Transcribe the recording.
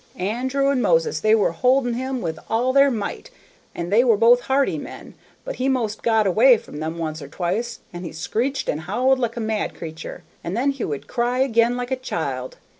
Andrew and Moses, they were holding him with all their might, and they were both hearty men, but he 'most got away from them once or twice, and he screeched and howled like a mad creatur', and then he would cry again like a child.